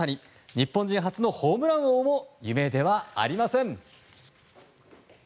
日本人初のホームラン王も夢ではありません。